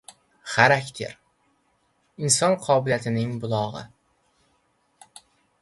Xarakter — inson qobiliyatlarining bulogi.